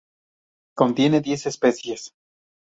Contiene diez especies.